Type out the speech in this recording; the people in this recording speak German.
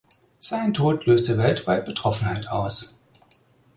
Sein Tod löste weltweit Betroffenheit aus.